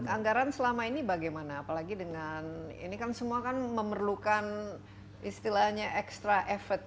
anggaran selama ini bagaimana apalagi dengan ini kan semua kan memerlukan istilahnya extra effort